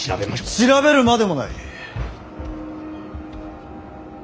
調べるまでもない。